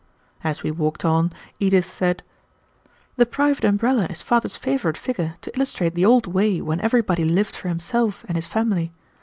As we walked on, Edith said, "The private umbrella is father's favorite figure to illustrate the old way when everybody lived for himself and his family.